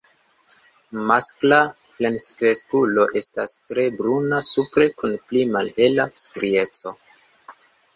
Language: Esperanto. Maskla plenkreskulo estas tre bruna supre kun pli malhela strieco.